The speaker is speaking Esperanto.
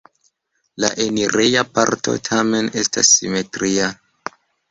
La enireja parto tamen estas simetria.